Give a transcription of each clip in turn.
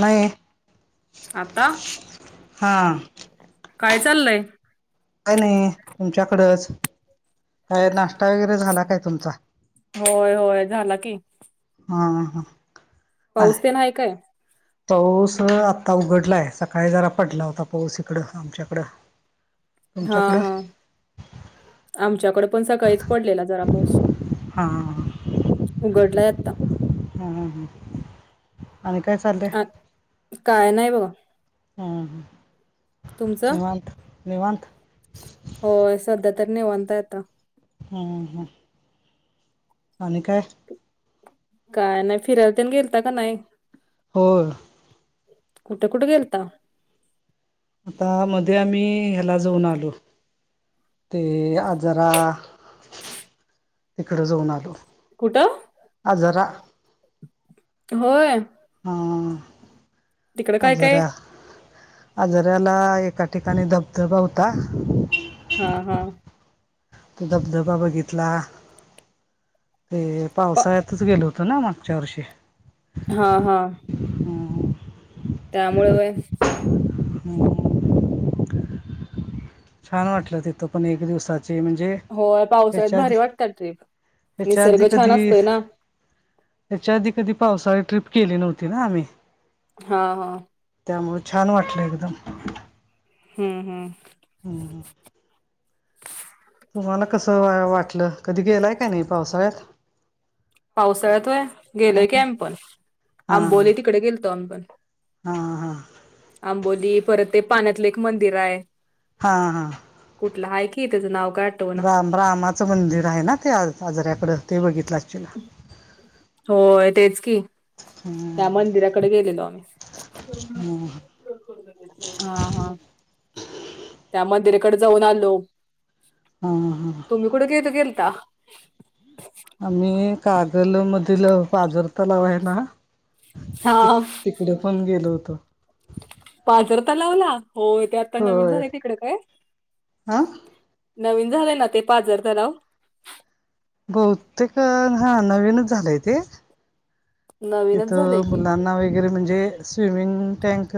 नाही आता हा काय चाललय? काय नाही तुमच्याकडंच काय नाश्ता वगैरे झाला काय तुमचा? होय-होय झाला की. हा हा. हा पाऊस तेन हाय काय? पाऊस आता उघडलाय सकाळी जरा पडला होता पाऊस इकड हा. तुमच्याकडं हा तुमच्याकडं? हा आमच्याकडे पण सकाळीच पडलेला जरा पाऊस. हां हां. उघडलाय आत्ता. हम्म हम्म आणि काय चाललंय? आ काय नाय बघा. हम्म तुमचं? निवांत-निवांत. होय सध्या तरी निवांत आहे आता. हम्म हम्म. आणि काय? काय नाही फिराय तेन गेलता का नाय? होय. कुठे-कुठे गेलता? आता मध्ये आम्ही ह्याला जाऊन आलो ते आजरा तिकडे जाऊन आलो. कुठं आजारा होय. हा तिकडं काय काय? आजरा. आजारयला एका ठिकाणी धबधबा होता. हा हा. ते धबधबा बघितला ते पावसाळ्यातच गेलो. तोना मागच्या वर्षी हा हा हम्म, त्यामुळ वय हम् छान वाटलं तिथं पण एक दिवसाचे म्हणजे हो पावसाळ्यात ह्याच्या आधी भारी वाटत्यात ट्रीप ह्याच्या निसर्ग छान असतय ना त्याच्या आधी कधी पावसाळी ट्रिप केली नव्हती ना आम्ही हा हा त्यामुं छान वाटलं एकदम हम् हम् हम तुम्हाला कसं वाटलं कधी गेलाय का नाही पावसाळ्यात पावसाळ्यातय हां गेलय कीम्पण हां आंबोली तिकडे गेलतो अंबण हां आंबोली परत ते पाण्यातलं एक मंदिर आहे हा हा कुठलं आहे की त्याचं नाव का राम रामाचं मंदिर आहे ना ते आज साजऱ्याकड ते बघितलंला होय तेच की त्या मंदिराकडे गेलेलो आम्ही हम्म. हा हा त्या मंदिराकडे जाऊन आलो हा हा [unintelligible] तु गेलता आम्ही कागल मधील पाजर तलाव आहे ना हा ते तिकडे पण गेलो होतो पाजरता लावला हो ते आता नवीन होय झाले तिकडे काय हा नवीन झालंय ना ते पाजर लाव बहुतेक हा नवीनच झालंय ते नवीनच झालंय तिथं की मुलांना वगैरे म्हणजे स्विमिंग टँक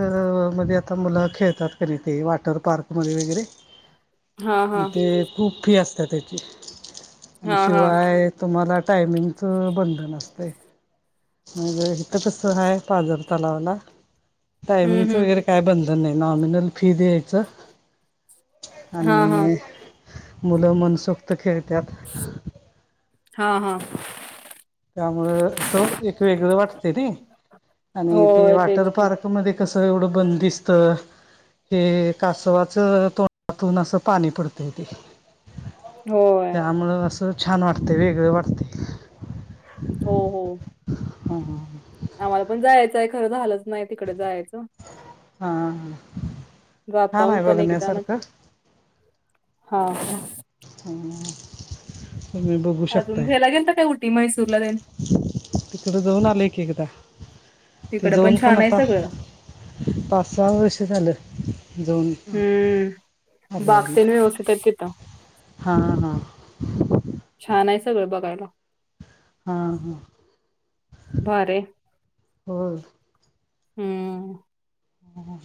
म आता मुलं खेळतात क नाही ते वॉटर पार्कमध्ये वगैरे हा मग हा ते खूप फी असत त्याची आणि हा हा शिवाय तुम्हाला टायमिंगचं बंधनसते म्हज इथ कस आहे पाजार तलावाला टायमिंग हम्म वगैरे हम्म काय बंधन नाही नॉमिनल फी द्यायचं हा हा आणि मुलं मनसुक्त खेळतात हा हा त्यामु असं एक वेगळं वाटते र आणि ते होय तेच वॉटर की पार्क मध्ये स एवढ बंद दिसत हे कासच तं त्यातून असं पाणी पडतय ते होय त्यामुळं अस तर छान वाटते वेगळं वाटते हो हो हो ह आम्हाला पण जायचं आहे खरं झालंच नाही तिकडे जायचं हा ह रात पणे कद ना हा ह [unintelligible] अजून घ्यायला गेल ना काय उठी मैसूर ला जाईल तिकडें जऊून आली एक एकदा ती तिकडे जऊन पण छान आहे आता सगळं पाच सहा वर्ष झालं जाऊन हम्म बाकतेने उ टता हा हा छान आहे सगळं बघायला हां हां बारे हो हम्म ह ह ह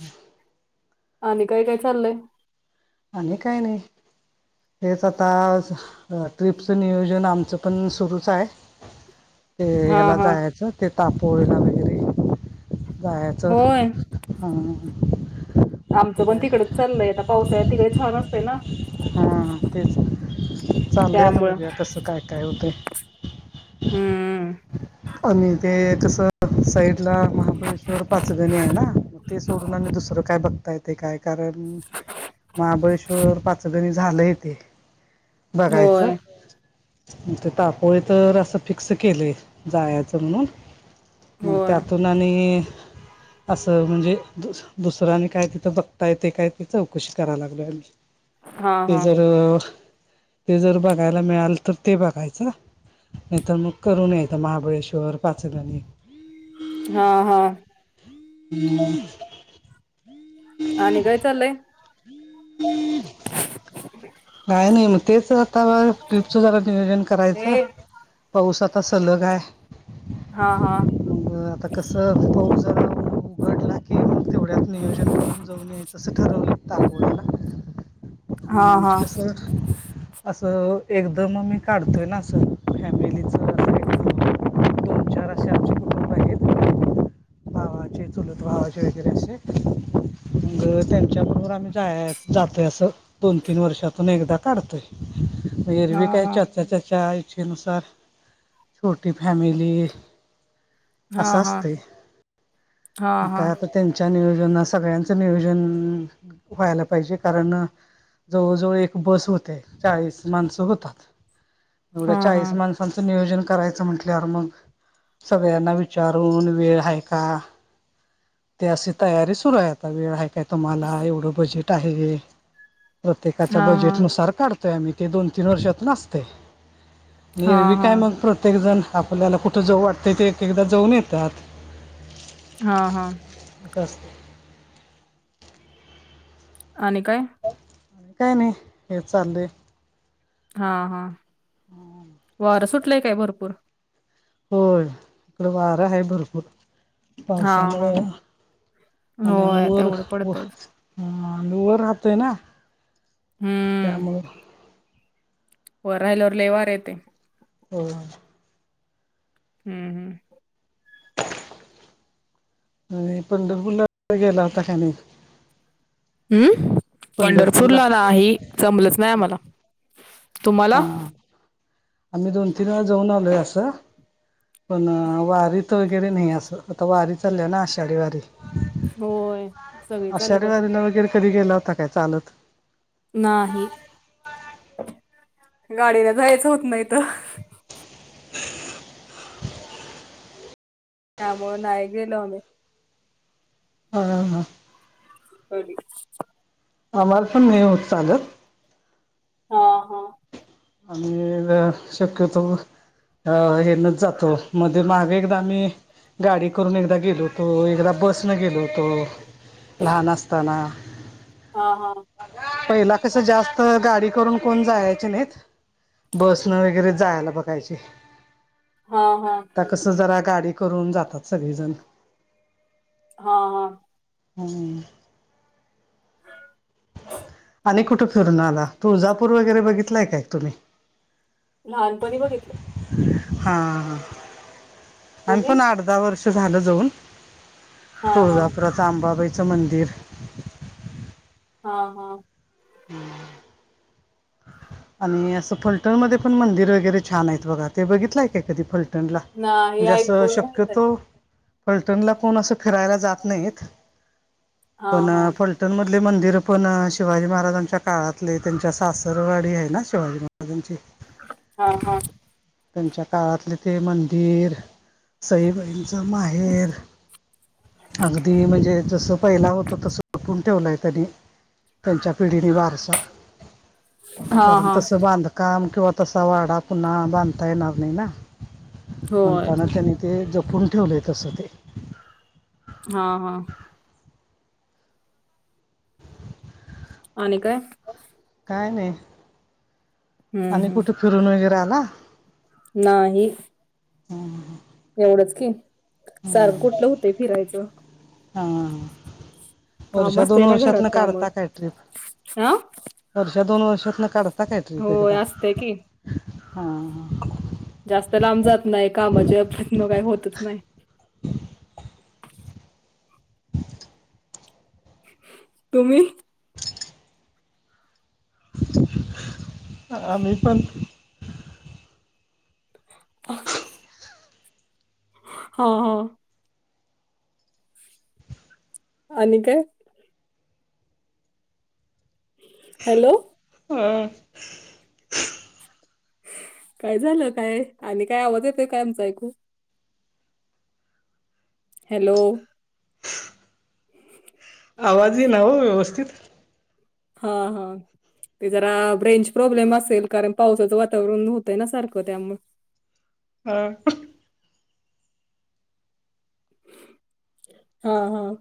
आणि काय काय चाललंय आणि काय नाही हेच आता ट्रिपचं नियोजन आमचं पण सुरूच आहे ते हा याला हा जायचं ते तापडलं वगैरे जायचं होय आमचं ते पण तिकडंच काय चालय आ पावसा्या तिकडे छान असते ना हां तेच चाललंय आता त्यामुळं बघूया कसं काय काय होतं हम्म आणि ते कसं साईडला महाबळेश्वर पाचगणी आहे ना मग ते सोडून आणि दुसरं काय बघ ता येते काय कारण महाबळेश्वर पाचगणी झालंय तेे बघायचं होय ते तापोळे तर असं फिक्स केलंय जायचं म्हणून मग होय त्यातून आणि असं म्हणजे दु दुसऱ्यांनी काय तिथं बघता येते काय त चौकशी करायला लागलोय आम्ही हा हा इजर ते जर बघायला मिळाल तर ते बघायचं नाही तरर मग करून यायचं महाबळेश्वर पाचघणी हा हा हम् आणि काय चालय नाही नाही मग तेच आता ट्र्रीपचं झारा नियोजन करायचं हे पाऊस आता सलग आहे हा हा म आता कसं पाऊस झा घडला क तेवढ्यात नियोज करूनऊन याचं अस ठरव हा आ हा स असं एकदम आम्ही काढतोय ना असं फॅमिलीच अस चे चुलत ववाचे वगैरे असे मग त्यांच्याबरोबर आम्ही जा जातोय असं दोन तीन वर्षातून एकदा काढतोय हा मगरवीी काय हा चर्चा चचा शक्षेनुसार छोटी फॅमिली हा असं हा असते हा का हा आता त्यांच्या नियोजना सगळ्यांचं नियोजन व्हायला पाहिजे कारण जवळजवळ एक बस होते चाळीस माणसं होतात हा हा एवढाचाळीसण त्यांचं नियोजन करायचं म्हंटल्यावर मग सगळ्यांना विचारून वेळ हय का ते अशी तयारी सुरू आहेत आ वेळ आहे काय तुम्हाला एवढं बजेट आहे प्रत्येकाच्या हा बजेट हा नुसार काढ तो आम्ही ते दोन तीन वर्षात नाचते हा निरवी हा काय मग प्रत प्रत्येक जण आपल्याला कुठं जव वाटते ते एक एकदा जऊन येतात हा हा स्त आणि काय काय नाही हेच चाललंय हा हा वरं सुटलंय काय भरपूर होय इकडे वारं हा भरपूर हा हा पावसामुळे आणि आम्ही होय वर तेवढं ह पडतयच आम्ही वर राहतो ना हम्म त्यामुळे वर राहिल्यावर लय वार येतय हो हम्म हम्म होय आणि पंढरपूर गेला होता काय नाही हम्म पंढरपूरला नाही जमलंच नाही आमला हा आम्ही दोन तीन वेळा जाऊन आलोय असं पण वारी त वगैरे नाही असं आता वारी चालल्या ना आषाढी वारी होय सगळे चालल्यात आषाढी आता वारीला वगैरे कधी गेला होता काय चालत नाही गाडीन जायचं होत नाही ईथ त्यामुळे नाहि गेलो आम्ही हा हां हा अरी [unintelligible] आम्हाला पण नाही होत चालत हा हा आणि शक्यतो अ होय हेनच जातो मध्ये मग एकदा मी गाडी करून एकदा गेलो होतो एकदा बस न गेलो होतो लहान असताना हा हा पहिला कस जास्त गाडी करून कोण जायचे नाहीत बसणं वगैरे जायला बघायची हा हा आता कसं जरा गाडी करून जातात सगळेजण हा हा हम् [inaudible] आणि कुठे फिरून आला तुळजापूर हा वगैरे बघितलाय काय तुम्ही लहानपणी बघितलं हा आम्ही तुम्ही? पण आठ दहा वर्ष झालं जाऊन हां, हां. तुळजापुरचं आंबाबाईचं मंदिर हा हा हम्म [inaudible] आणि असं फलटण मध्ये पण मंदिर वगैरे छान आहेत बघा ते बघितलंय काय कधी फलटणला नाही म्हणजे असं ऐकून माहित आहे. शक्यतो फलटणला कोण असं फिरायला जात नाहीत हा हा फलटण मधले मंदिर पण शिवाजी महाराजांच्या काळातले त्यांच्या सासरवाडी आहेत ना शिवाजी महाराजांचे हा हा त्यांंच्या काळातले ते मंदिर सईबाईलचा माहेर अगदी म्हणजे जसं पहिलं होतं तसं ठेवलंय त्यांनी त्यांच्या पिढीने वारसा हां, कारण हां. तसं बांधकाम किंवा तसा वाडा पुन्हा बांधता येणार नाही ना होय. म्हणताना त्यांनी ते जपून ठेवले येत असं ते हा हा आणि काय? काय नाही हं, आणि हं. कुठे फिरून वगैरे आला नाही हा एवढंच कायं सारखं कुठलं होतं फिरायचं हां वर्ष काम दोन असतंय ना घरात वर्षांतून त्यामुळं. काढतां कायं हां? ट्रिप वर्ष दोन वर्षांतून काढतां कां ट्रीप होय एकदां असतंय की. हां जास्तं लांब जातं नाहीं कामांच्यांत कांहीं फिरणं होतंच नाहीं तुम्हीं आम्हीं पणं ब [unintelligible] हो हो आणि कायं हॅलो हां कायं झालं कायं आणि कायं आवांज येतोय कायं आमचां ऐकूं हॅलो आवांज एनां व्यवस्थितं हां हां ते जरा रेंज प्रॉब्लेम असेल कारणं पावसाचं वातावरण होतंय नां सारखं त्यामुळे हां हां हां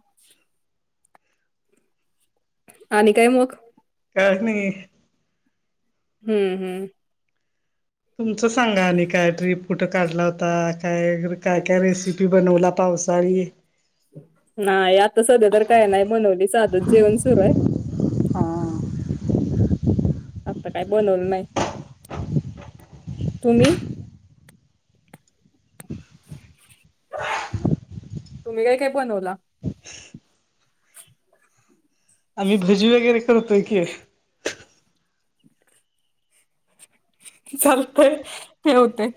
आणि कायं मंग कांहीं नाहीं हम्मं हम्मं तुमचं सांगा आणि कायं ट्रीप कुठं काढला होता कायं कायं कायं रेसिपी हम्म बनवल्यां पावसाळीं नाहीं आता संध्या तरं कायं नाहीं बनवली साधंच जेवणं सुरू आहे हं आता कायं बनवलं नाहीं तुम्हीं तुम्हीं कायं कायं बनवलां आम्हीं भजी वगैरें करतोयं की चालतंय ठेवते